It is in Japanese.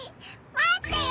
まってよ